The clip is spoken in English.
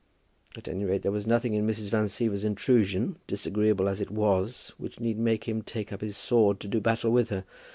At any rate there was nothing in Mrs. Van Siever's intrusion, disagreeable as it was, which need make him take up his sword to do battle with her.